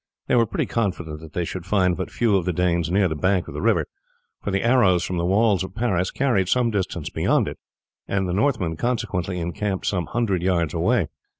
They were pretty confident that they should find but few of the Danes near the bank of the river, for the arrows from the walls of Paris carried some distance beyond it, and the Northmen consequently encamped some hundred yards away.